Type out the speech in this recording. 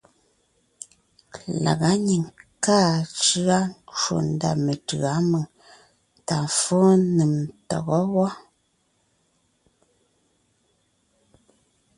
Lagá nyìŋ kàa cʉa ncwò ndá metʉ̌a mèŋ tà fó nèm ntɔgɔ́ wɔ́.